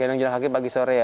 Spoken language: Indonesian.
gendong jalan kaki pagi sore ya